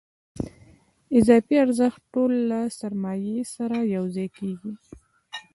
اضافي ارزښت ټول له سرمایې سره یوځای کېږي